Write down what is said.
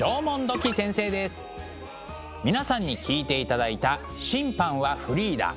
皆さんに聴いていただいた「審判はフリーダ」。